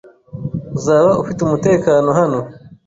Uzaba ufite umutekano hano.